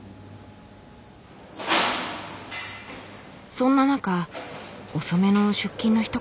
そんな中遅めの出勤の人かな？